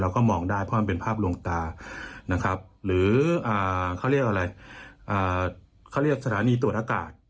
ก็มองได้เพราะมันเป็นภาพลวงตานะครับหรือเขาเรียกอะไรเขาเรียกสถานีตรวจอากาศ